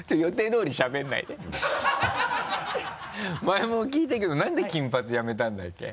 前も聞いたけどなんで金髪やめたんだっけ？